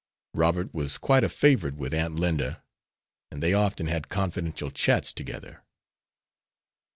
Robert was quite a favorite with Aunt Linda, and they often had confidential chats together.